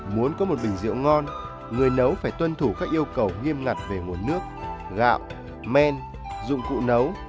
muốn có một bình rượu ngon người nấu phải tuân thủ các yêu cầu nghiêm ngặt về nguồn nước gạo men dụng cụ nấu